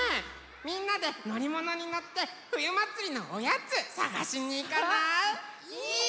みんなでのりものにのってふゆまつりのおやつさがしにいかない？